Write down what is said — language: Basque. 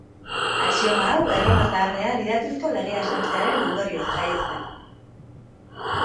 Axioma hau Erroma zaharrean idatzizko legea sartzearen ondorioz jaio zen.